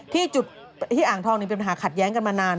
ที่อ่างทองเนี่ยเป็นปัญหาขัดแย้งกันมานาน